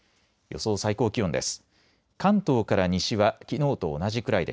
予想最高気温です。